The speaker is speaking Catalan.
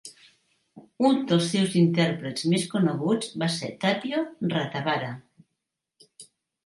Un dels seus intèrprets més coneguts va ser Tapio Rautavaara.